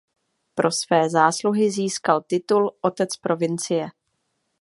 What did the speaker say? Pro své zásluhy získal titul „otec provincie“.